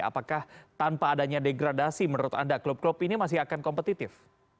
apakah tanpa adanya degradasi menurut anda klub klub ini masih akan kompetitif